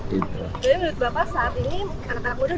jadi menurut bapak saat ini